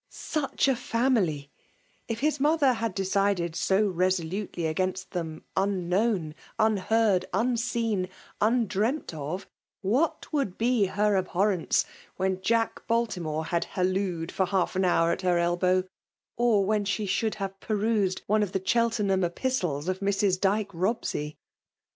Such a family I If his mother had decided so resolutely against them unknown, unheard, unseen, undreamt of, what would be her abhorrence, when Jack Bal timore had hallooed for half an hoar at her elbow ; or when she should have perused one of the Cheltenham epistles of Mrs. Dyke Bobsey!